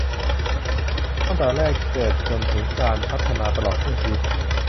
ตั้งแต่แรกเกิดจนถึงการพัฒนาตลอดช่วงชีวิต